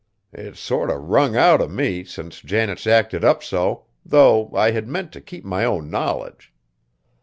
It's sort o' wrung out of me, since Janet's acted up so, though I had meant t' keep my own knowledge."